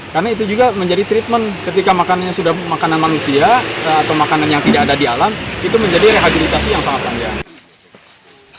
karena itu juga menjadi treatment ketika makannya sudah makanan manusia atau makanan yang tidak ada di alam itu menjadi rehabilitasi yang sangat beranjakan